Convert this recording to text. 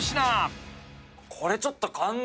これちょっと。